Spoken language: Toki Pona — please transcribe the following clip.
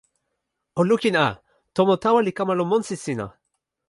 o lukin a! tomo tawa li kama lon monsi sina!